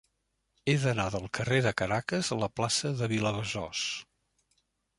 He d'anar del carrer de Caracas a la plaça de Vilabesòs.